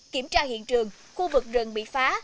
kiểm tra hiện trường khu vực rừng bị phá